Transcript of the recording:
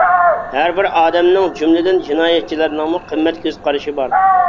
ھەر بىر ئادەمنىڭ، جۈملىدىن جىنايەتچىلەرنىڭمۇ قىممەت كۆز قارىشى بار.